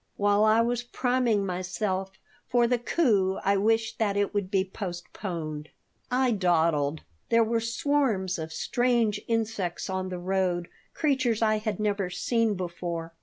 While I was priming myself for the coup I wished that it would be postponed. I dawdled. There were swarms of strange insects on the road, creatures I had never seen before.